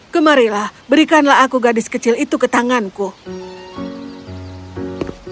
kemarilah berikanlah aku gadis kecil itu ke tanganku